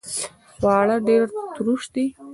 خواړه ډیر تروش دي